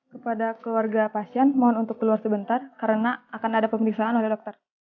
kepada keluarga pasien mohon untuk keluar sebentar karena akan ada pemeriksaan oleh dokter